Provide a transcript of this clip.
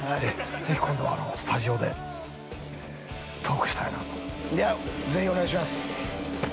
ぜひ今度はスタジオでトークしたいなとぜひお願いします